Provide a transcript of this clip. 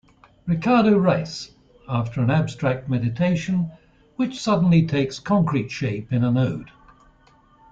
Ricardo Reis, after an abstract meditation, which suddenly takes concrete shape in an ode.